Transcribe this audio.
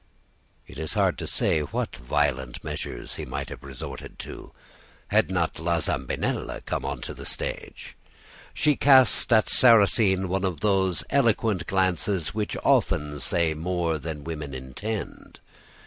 It is hard to say what violent measures he might have resorted to, had not La Zambinella come on the stage. She cast at Sarrasine one of those eloquent glances which often say more than women intend.